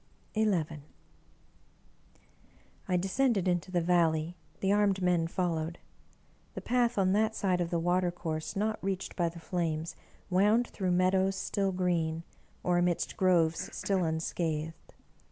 XI I DESCENDED luto the Valley; the armed men followed. The path, on that side of the water course not reached by the flames, wound through meadows still green, or amidst groves still unscathed.